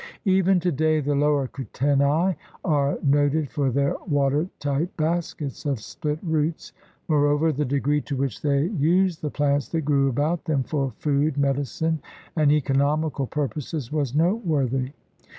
Even today the lower Kutenai are noted for their water tight baskets of split roots. Moreover the degree to which they used the plants that grew about them for food, medicine, and eco nomical purposes was noteworthy.